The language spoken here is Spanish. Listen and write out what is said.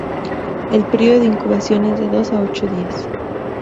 El periodo de incubación es de dos a ocho días.